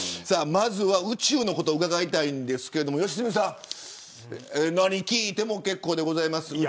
さあ、まずは宇宙のことを伺いたいんですけど良純さん。何を聞いても結構でございます。